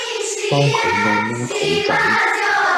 幫佢按摩肚仔